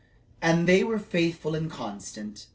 And they were faithful and constant.